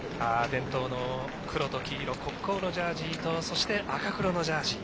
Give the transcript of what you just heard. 伝統の黒と黄色黒黄のジャージとそして、赤黒のジャージ